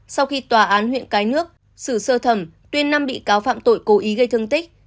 sau khi tòa án huyện cái nước xử sơ thẩm tuyên năm bị cáo phạm tội cố ý gây thương tích